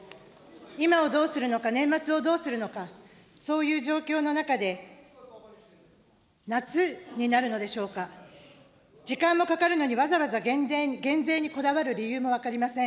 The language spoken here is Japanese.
今をどうするのか、年末をどうするのか、そういう状況の中で、夏になるのでしょうか、時間もかかるのにわざわざ減税にこだわる理由も分かりません。